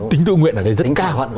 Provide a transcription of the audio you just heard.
tính tự nguyện là rất cao